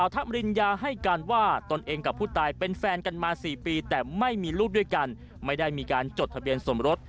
ตัวเองกับผู้ตายเป็นแฟนกันมา๔ปีแต่ไม่มีรูปด้วยกันไม่ได้มีการจดทะเบียนสมรส